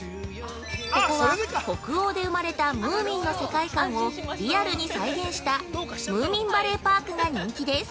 ここは北欧で生まれた「ムーミン」の世界観をリアルに再現したムーミンバレーパークが人気です。